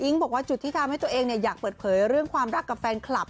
บอกว่าจุดที่ทำให้ตัวเองอยากเปิดเผยเรื่องความรักกับแฟนคลับ